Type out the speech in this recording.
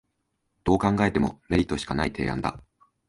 どう考えてもメリットしかない提案だ